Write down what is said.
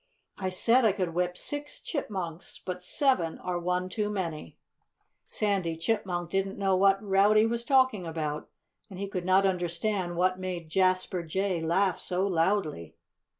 I said I could whip six chipmunks. But seven are one too many." Sandy Chipmunk didn't know what Rowdy was talking about. And he could not understand what made Jasper Jay laugh so loudly.